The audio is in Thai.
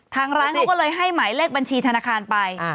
ทางร้านก็เลยด้วยให้ไหมเลี้ยงบัญชีธนาคารไป